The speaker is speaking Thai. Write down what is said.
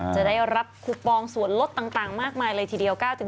จะได้รับคูปองส่วนลดต่างมากมายเลยทีเดียว